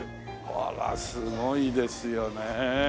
あらすごいですよねえ。